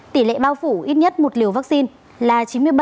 tỷ lệ bao phủ ít nhất một liều vaccine là chín mươi bảy